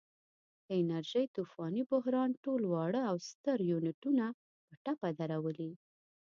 د انرژۍ طوفاني بحران ټول واړه او ستر یونټونه په ټپه درولي.